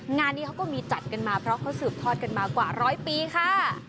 งานนี้เขาก็มีจัดกันมาเพราะเขาสืบทอดกันมากว่าร้อยปีค่ะ